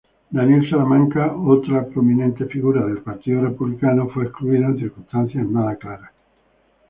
Daniel Salamanca, otra prominente figura del Partido Republicano, fue excluido en circunstancias nada claras.